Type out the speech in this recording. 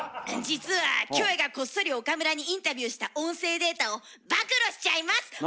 実はキョエがこっそり岡村にインタビューした音声データを暴露しちゃいます！